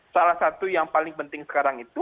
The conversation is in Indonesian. salah satu yang paling penting sekarang itu